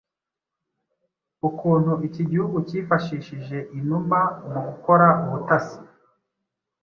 ukuntu iki gihugu cyifashishije inuma mu gukora ubutasi